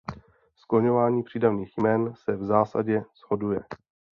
Skloňování přídavných jmen se v zásadě shoduje.